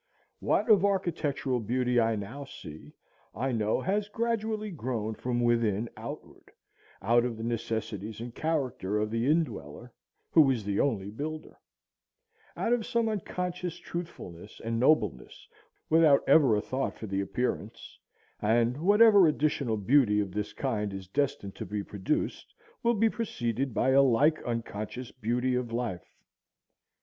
What of architectural beauty I now see, I know has gradually grown from within outward, out of the necessities and character of the indweller, who is the only builder,—out of some unconscious truthfulness, and nobleness, without ever a thought for the appearance and whatever additional beauty of this kind is destined to be produced will be preceded by a like unconscious beauty of life.